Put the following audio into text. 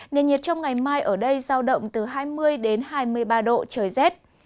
nền nhiệt trong ngày mai ở đây giao động từ hai mươi đến hai mươi ba độ trời rét